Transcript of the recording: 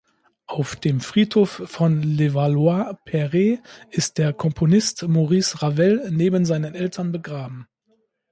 Auf dem Friedhof von Levallois-Perret ist der Komponist Maurice Ravel neben seinen Eltern begraben.